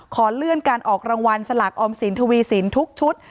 ขอเลื่อนการออกรางวัลสลากออมสินทวีสินทุกชุด